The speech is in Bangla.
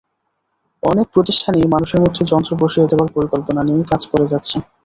অনেক প্রতিষ্ঠানই মানুষের মধ্যে যন্ত্র বসিয়ে দেওয়ার পরিকল্পনা নিয়ে কাজ করে যাচ্ছে।